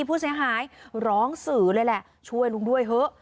ผู้เสียหายร้องสื่อเลยแหละช่วยลุงด้วยเถอะ